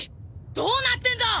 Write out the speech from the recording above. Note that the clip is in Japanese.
どうなってんだ！？